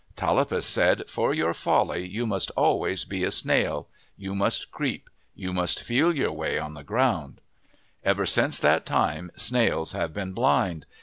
Tallapus said, " For your folly you must always be a snail. You must creep. You must feel your way on the ground." Ever since that time snails have been blind.